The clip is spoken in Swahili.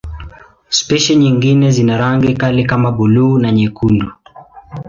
Spishi nyingine zina rangi kali kama buluu na nyekundu.